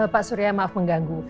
pak surya maaf mengganggu